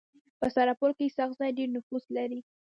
په سرپل کي اسحق زي د ډير نفوذ لري.